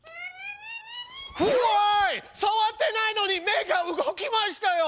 さわってないのに目が動きましたよ！